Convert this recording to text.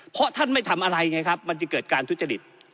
เพราะท่านไม่ทำอะไรไงครับมันจะเกิดการทุจริต